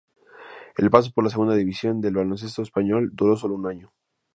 El paso por la segunda división del baloncesto español duró sólo un año.